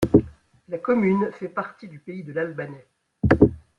La commune fait partie du pays de l'Albanais.